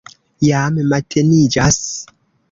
Jam mateniĝas.